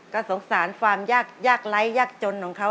ก็สงสารความยากไร้ยากจนของเขา